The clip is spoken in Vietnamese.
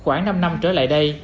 khoảng năm năm trở lại đây